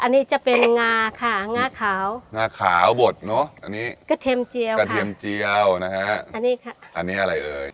อันนี้จะเป็นงาค่ะงาขาวงาขาวบดเนอะอันนี้กระเทียมเจียวค่ะอันนี้อะไรเลย